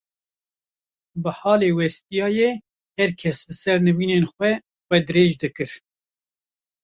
bi halê westiyayê her kes li ser nivînên xwe, xwe dirêj dikir.